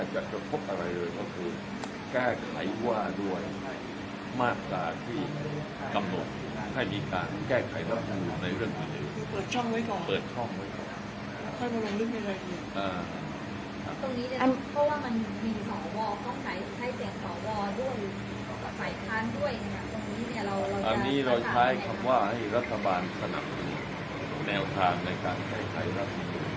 ช่องไว้ครับอ่าอันนี้เราใช้คำว่าให้รัฐบาลสนับแนวทางในการไข่ไข่รัฐ